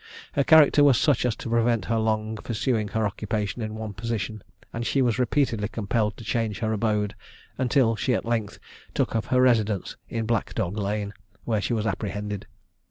Her character was such as to prevent her long pursuing her occupation in one position, and she was repeatedly compelled to change her abode until she at length took up her residence in Black Dog Lane, where she was apprehended.